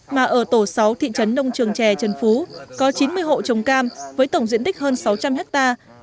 mà ở tổ sáu thị trấn nông trường chè trần phú có chín mươi hộ trồng cam với tổng diện tích hơn sáu trăm linh hectare